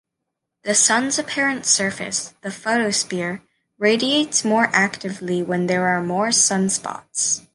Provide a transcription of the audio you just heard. The Sun's apparent surface, the photosphere, radiates more actively when there are more sunspots.